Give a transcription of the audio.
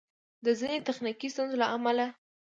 د ځیني تخنیکي ستونزو له امله